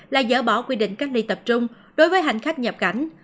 là dỡ bỏ quy định cách ly tập trung đối với hành khách nhập cảnh